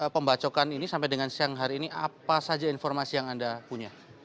pembacokan ini sampai dengan siang hari ini apa saja informasi yang anda punya